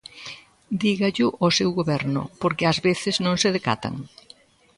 Dígallo ao seu goberno, porque ás veces non se decatan.